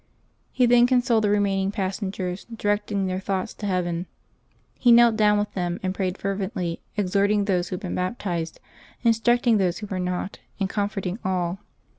He then consoled the remaining passengers, directing their thoughts to heaven. He knelt down with them and prayed fervently, exhorting those who had been baptized, instructing those who were not, and comforting all.